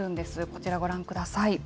こちらご覧ください。